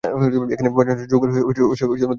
এখানে বাইজেন্টাইন যুগের দুটি সমাধি রয়েছে।